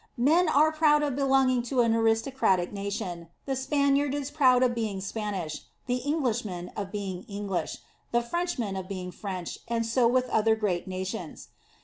Men are proud of belonging to an aristo cratic nation. The Spaniard is proud of being Spanish; the Englishman, of being English; the Frenchman of being French, and so with other great nations.